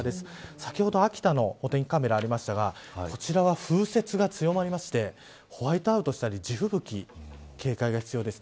先ほど秋田のお天気カメラがありましたがこちらは風雪が強まりましてホワイトアウトしたり地吹雪に警戒が必要です。